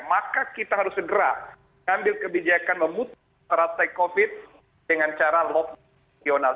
maka kita harus segera ambil kebijakan memutuskan teratai covid dengan cara lokalisasi